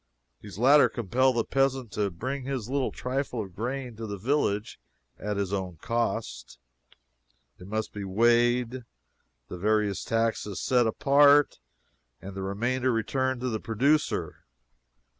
These latter compel the peasant to bring his little trifle of grain to the village, at his own cost. It must be weighed, the various taxes set apart, and the remainder returned to the producer.